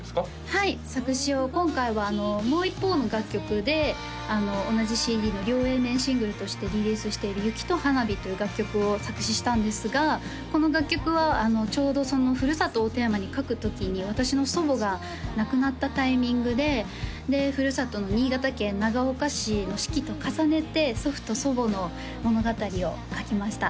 はい作詞を今回はもう一方の楽曲で同じＣＤの両Ａ面シングルとしてリリースしている「雪と花火」という楽曲を作詞したんですがこの楽曲はちょうどふるさとをテーマに書く時に私の祖母が亡くなったタイミングでふるさとの新潟県長岡市の四季と重ねて祖父と祖母の物語を書きました